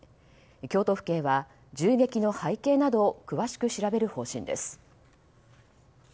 京都府警は、銃撃の背景などを詳しく調べる方針です。